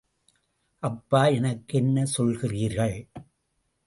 அப்பா எனக்கு என்ன சொல்கிறீர்கள்?